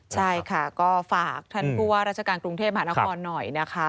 ใช่ค่ะก็ฝากท่านผู้ว่าราชการกรุงเทพหานครหน่อยนะคะ